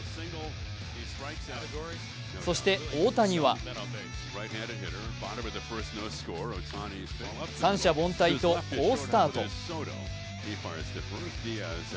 そして、大谷は三者凡退と好スタート。